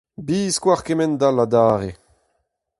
Biskoazh kemend-all adarre !